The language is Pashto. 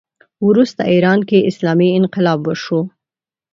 وروسته ایران کې اسلامي انقلاب وشو